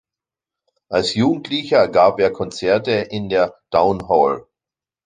Als Jugendlicher gab er Konzerte in der Town Hall.